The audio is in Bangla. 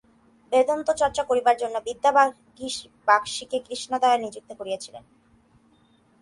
বেদান্তচর্চা করিবার জন্য বিদ্যাবাগীশকে কৃষ্ণদয়াল নিযুক্ত করিয়াছিলেন।